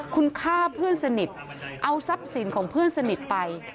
คุณฆ่าเพื่อนสนิทเอาทรัพย์สินของเพื่อนสนิทไป